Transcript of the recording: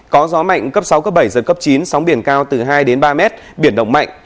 có gió mạnh cấp sáu cấp bảy giật cấp chín sóng biển cao từ hai đến ba mét biển động mạnh